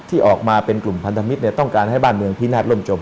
ที่ออกมาเป็นกลุ่มพันธมิตรต้องการให้บ้านเมืองพินาศล่มจม